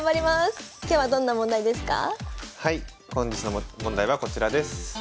本日の問題はこちらです。